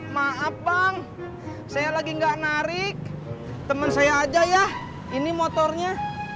maaf bang saya lagi nggak narik teman saya aja ya ini motornya